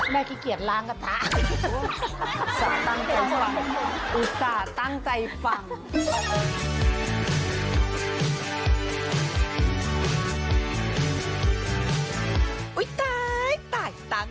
แม่ขี้เกียจล้างก็ถ๊า